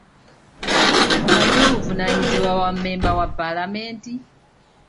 Omanyi obuvunaanyizibwa bwa mmemba wa palamenti?